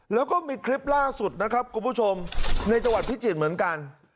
แล้วก็มีคลิปล่าสุดนะครับคุณผู้ชมในจังหวัดพิจิตรเหมือนกัน